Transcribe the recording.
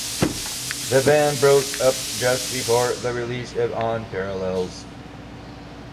The band broke up just before the release of On Parallels.